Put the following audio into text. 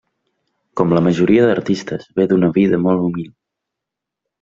Com la majoria dels artistes, ve d'una vida molt humil.